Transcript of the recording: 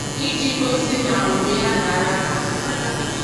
iji gosi na ùgwù ya àdàálá n'ala.